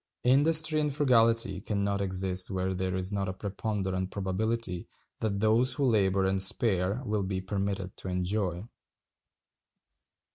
Industry and frugality can not exist where there is not a preponderant probability that those who labor and spare will be permitted to enjoy.